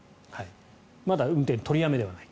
まだ運転取りやめではない。